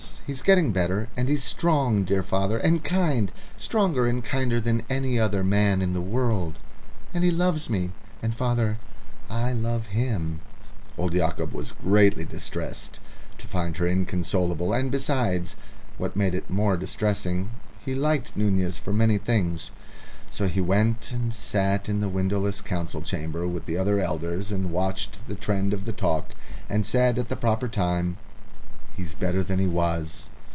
He's getting better. And he's strong, dear father, and kind stronger and kinder than any I other man in the world. And he loves me and, father, I love him." Old Yacob was greatly distressed to find her inconsolable, and, besides what made it more distressing he liked Nunez for many things. So he went and sat in the windowless council chamber with the other elders and watched the trend of the talk, and said, at the proper time, "He's better than he was.